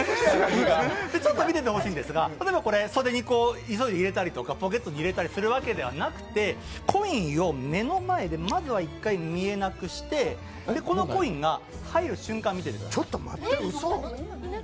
見ていてほしいんですが袖に入れたりポケットに入れたりするわけではなくて、コインを目の前でまずは一回見えなくしてこのコインが入る瞬間、見てください。